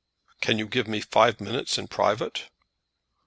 "Can you give me five minutes in private?"